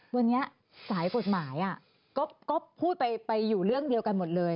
วันนี้สายกฎหมายก็พูดไปอยู่เรื่องเดียวกันหมดเลย